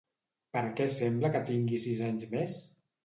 Per què sembla que tingui sis anys més?